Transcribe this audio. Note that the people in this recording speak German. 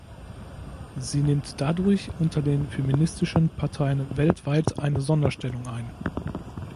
Sie nimmt dadurch unter den feministischen Parteien weltweit eine Sonderstellung ein.